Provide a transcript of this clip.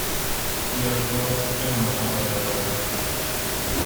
Pierrot enamorado de la Gloria.